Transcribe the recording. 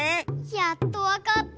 やっとわかった！